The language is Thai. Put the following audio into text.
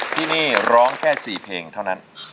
ที่นี่ร้องแค่๔เพลงเท่านั้น